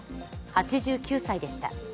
８９歳でした。